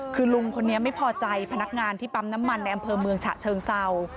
คือลุงคนนี้ไม่พอใจพนักงานที่ปั๊มน้ำมันในอำเภอเมืองฉะเชิงเศร้า